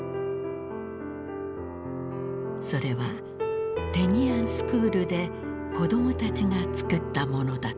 それはテニアンスクールで子供たちが作ったものだった。